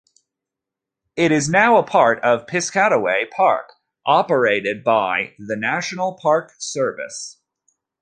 It is now part of Piscataway Park operated by the National Park Service.